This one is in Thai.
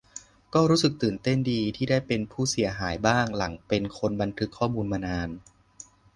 ก็รู้สึกตื่นเต้นดีที่ได้เป็นผู้เสียหายบ้าง หลังเป็นคนบันทึกข้อมูลมานาน